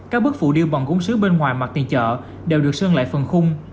các bức phụ điêu bằng gốm sứ bên ngoài mặt tiền chợ đều được sơn lại phần khung